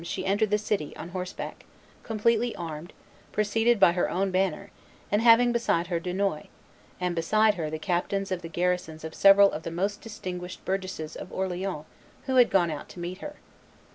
she entered the city, on horseback, completely armed, preceded by her own banner, and having beside her Dunois, and behind her the captains of the garrison and several of the most distinguished burgesses of Orleans who had gone out to meet her.